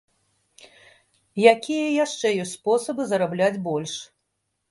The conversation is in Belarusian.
Якія яшчэ ёсць спосабы зарабляць больш?